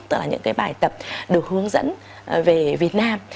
tức là những cái bài tập được hướng dẫn về việt nam